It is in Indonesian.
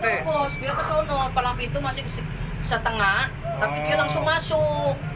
terobos dia kesono palang pintu masih setengah tapi dia langsung masuk